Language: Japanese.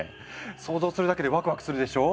想像するだけでワクワクするでしょ？